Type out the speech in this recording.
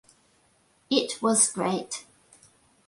It was great.